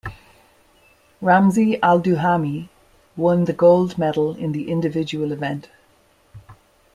Ramzy Al Duhami won the gold medal in the individual event.